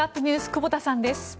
久保田さんです。